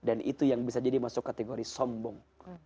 dan itu yang bisa jadi masuk kategori sombong